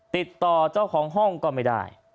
ติดต่อเจ้าของห้องก็ไม่ได้